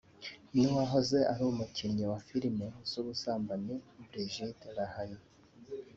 n’ uwohoze ari umukinnyi wa filime z’ ubusambanyi Brigitte Lahaie